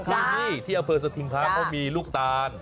ที่นี่ที่อำเภอสถิงค้าเขามีลูกตาล